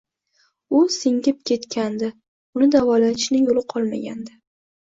U singib ketgandi, uni davolatishni yoʻli qolmagandi.